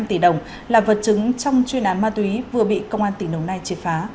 năm tỷ đồng là vật chứng trong chuyên án ma túy vừa bị công an tỉnh đồng nai triệt phá